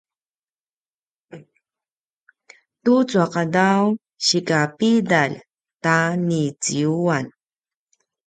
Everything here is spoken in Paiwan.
tucu a qadaw sika pidalj ta niciuan?